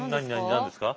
何ですか？